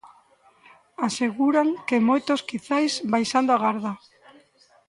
Aseguran que moitos quizais, baixando a garda.